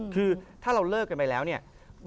คือถ้าเราเลิกกันไปแล้วเนี่ย